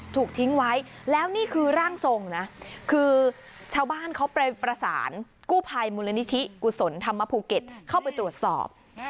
ถูกทิ้งไว้แล้วนี่คือร่างทรงนะคือชาวบ้านเขาไปประสานกู้ภัยมูลนิธิกุศลธรรมภูเก็ตเข้าไปตรวจสอบ